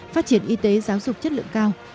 phát triển y tế giáo dục chất lượng cao